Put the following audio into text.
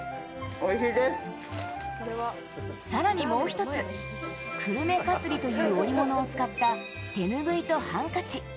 さらにもう一つ、久留米絣という織物を使った手ぬぐいとハンカチ。